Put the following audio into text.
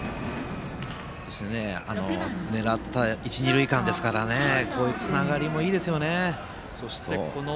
狙った一、二塁間ですからこういうつながりもいいですね。